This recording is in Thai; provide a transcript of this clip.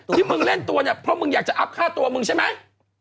ที่มึงเล่นตัวเนี่ยเพราะมึงอยากจะอัพค่าตัวมึงใช่ไหม